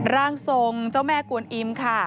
ร่างทรงเจ้าแม่กวนอิมค่ะ